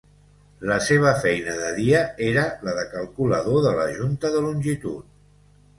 La seva feina de dia era la de Calculador de la Junta de Longitud.